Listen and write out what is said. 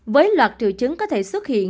với loạt triệu chứng có thể xuất hiện